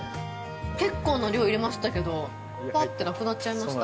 結構な量入れましたけどふわってなくなっちゃいました。